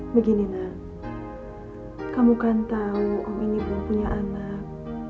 begini nak kamu kan tahu oh ini belum punya anak